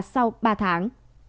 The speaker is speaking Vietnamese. sau ba tháng